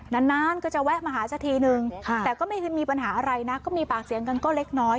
นานก็จะแวะมาหาสักทีนึงแต่ก็ไม่มีปัญหาอะไรนะก็มีปากเสียงกันก็เล็กน้อย